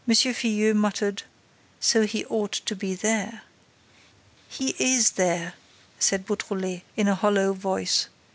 Filleul muttered: "So he ought to be there." "He is there," said Beautrelet, in a hollow voice.